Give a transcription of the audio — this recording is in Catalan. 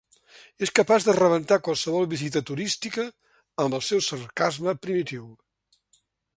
És capaç de rebentar qualsevol visita turística amb el seu sarcasme primitiu.